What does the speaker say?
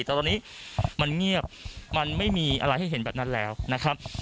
แต่ตอนนี้มันเงียบมันไม่มีอะไรให้เห็นแบบนั้นแล้วนะครับ